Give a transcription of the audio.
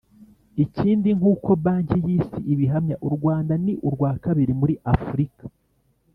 Ikindi nk uko Banki y Isi ibihamya u Rwanda ni urwa kabiri muri Afurika